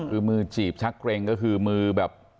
คือมือจีบชักเกร็งก็คือมือแบบ